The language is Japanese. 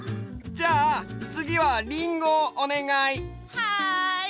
じゃあつぎはリンゴをおねがい。